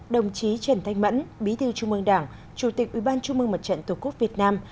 đồng chí trần thanh mẫn bí thư trung mương đảng chủ tịch ủy ban trung mương mặt trận tổ quốc việt nam